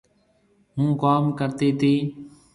هُوم ڪوم ڪرتي تي